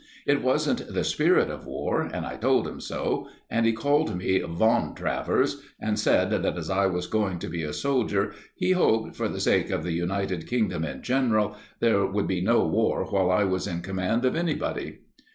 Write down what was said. It wasn't the spirit of war, and I told him so, and he called me "von Travers," and said that as I was going to be a soldier, he hoped, for the sake of the United Kingdom in general, there would be no war while I was in command of anybody.